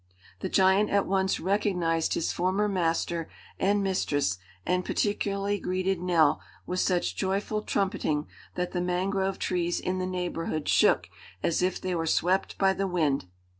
The giant at once recognized his former master and mistress and particularly greeted Nell with such joyful trumpeting that the mangrove trees in the neighborhood shook as if they were swept by the wind.